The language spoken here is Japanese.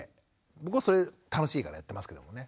僕はそれ楽しいからやってますけどもね。